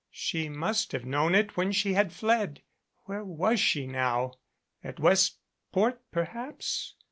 She must have known it when she had fled. Where was she now? At Westport, perhaps?